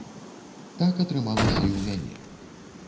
Так атрымалася і ў мяне.